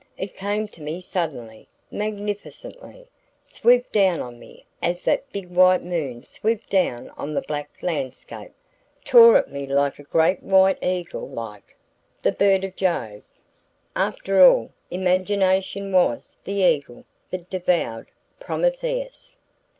It came to me suddenly, magnificently, swooped down on me as that big white moon swooped down on the black landscape, tore at me like a great white eagle like the bird of Jove! After all, imagination WAS the eagle that devoured Prometheus!"